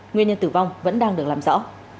nguyên nhân tử vong vẫn đang được làm rõ